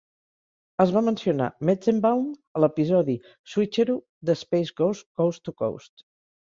Es va mencionar Metzenbaum a l'episodi "Switcheroo" de "Space Ghost Coast to Coast".